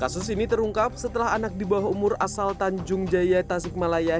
kasus ini terungkap setelah anak di bawah umur asal tanjung jaya tasikmalaya